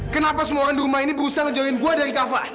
kenapa semua orang di rumah ini berusaha ngejomin gue dari kava